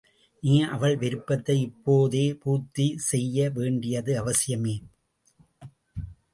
நீ அவள் விருப்பத்தை இப்போத பூர்த்தி செய்ய வேண்டியது அவசியமே.